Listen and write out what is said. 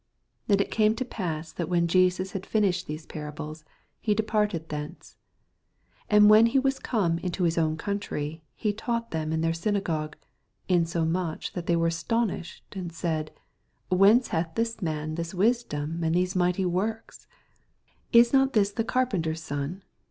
58 And it came to pass, that when Jesus had finished these parables, he departed thence. 54 And when he was oome into his own countrj^, he taught them in their synagogue, insomuch that they were astonished, and said, Whence hath this man this wisdom, and Mtfw migh^ works t 65 Is not this the carpenter's son!